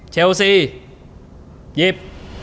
เชลซีหยิบ